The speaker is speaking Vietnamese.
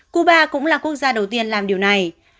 cuba cũng là quốc gia đầu tiên làm điều này